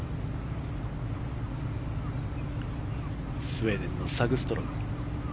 スウェーデンのサグストロム。